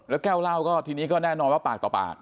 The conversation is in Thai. แล้วแก้วเหล้าก็ทีนี้ก็แน่นอนว่าปากต่อปาก